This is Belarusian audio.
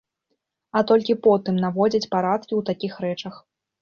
А толькі потым наводзіць парадкі ў такіх рэчах.